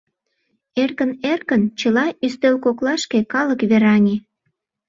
Эркын-эркын чыла ӱстел коклашке калык вераҥе.